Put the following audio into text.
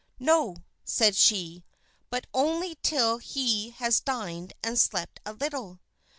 "No," said she, "but only till he has dined and slept a little."